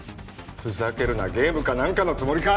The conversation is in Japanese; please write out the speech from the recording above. ふざけるなゲームか何かのつもりか！